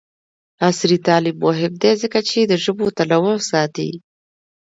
عصري تعلیم مهم دی ځکه چې د ژبو تنوع ساتي.